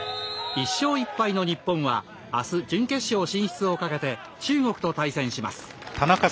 １勝１敗の日本はあす準決勝進出をかけて中国と対戦します。